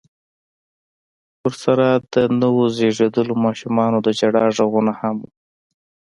ورسره د نويو زيږېدليو ماشومانو د ژړا غږونه هم و.